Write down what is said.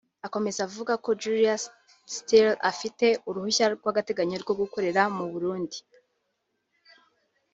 Akomeza avuga ko Julia Steers afite uruhushya rw’agateganyo rwo gukorera mu Burundi (Accréditation)